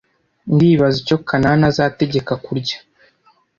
Ndibaza icyo Kanani azategeka kurya.